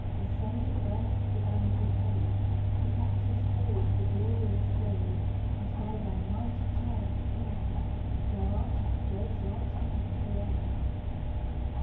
III Asunder burst the bands of hell, The captives hailed the glorious day; And by Thy mighty triumph crowned, Thou art at God's right hand for aye.